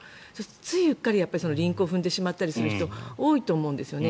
ついうっかりリンクを踏んでしまったりする人多いと思うんですよね。